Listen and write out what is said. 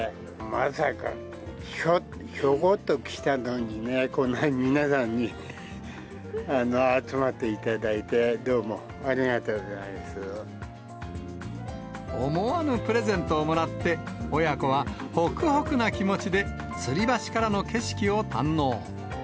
まさか、ひょこっと来たのにね、こんなに皆さんに集まっていただいて、思わぬプレゼントをもらって、親子はほくほくな気持ちでつり橋からの景色を堪能。